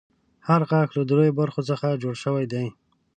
هر غاښ له دریو برخو څخه جوړ شوی دی.